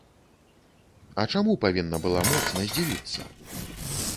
А чаму павінна была моцна здзівіцца?!